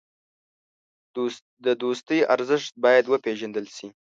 د دوستۍ ارزښت باید وپېژندل شي.